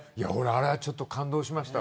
あれはちょっと感動しました。